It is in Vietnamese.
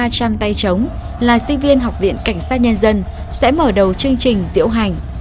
tiếp theo màn biểu diễn của ba trăm linh tay chống là sinh viên học viện cảnh sát nhân dân sẽ mở đầu chương trình diễu hành